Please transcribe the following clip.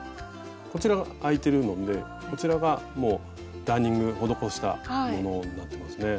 こちらがあいてるのでこちらがダーニング施したものになってますね。